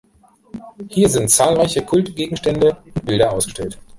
Hier sind zahlreiche Kultgegenstände und Bilder ausgestellt.